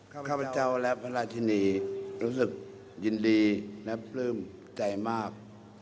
ข้าพเจ้าและพระราชินีรู้สึกยินดีและปลื้มใจมาก